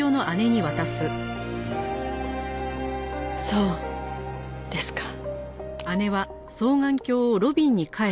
そうですか。